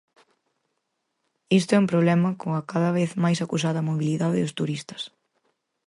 Isto é un problema coa cada vez máis acusada mobilidade dos turistas.